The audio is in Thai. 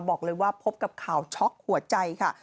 บอกเลยว่าพบกับข่าวช็อกหัวใจค่ะ